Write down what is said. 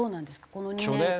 この２年間。